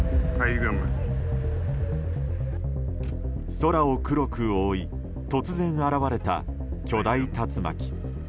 空を黒く覆い突然現れた巨大竜巻。